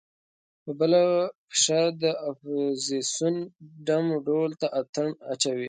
په بله پښه د اپوزیسون ډم و ډول ته اتڼ اچوي.